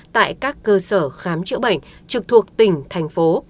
tại các cơ sở khám chữa bệnh trực thuộc tỉnh thành phố